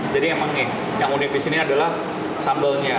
jadi emang nih yang unik di sini adalah sambelnya